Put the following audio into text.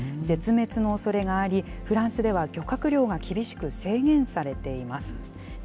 絶滅のおそれがあり、フランスでは漁獲量が厳しく制限されています。